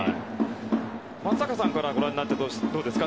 松坂さんからご覧になって、どうですか。